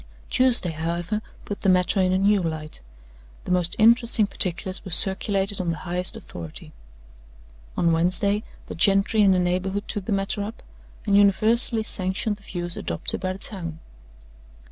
"Tuesday, however, put the matter in a new light. The most interesting particulars were circulated on the highest authority. On Wednesday, the gentry in the neighborhood took the matter up, and universally sanctioned the view adopted by the town.